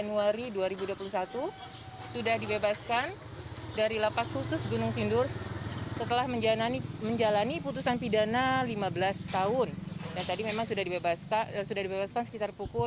lima tiga puluh waktu indonesia barat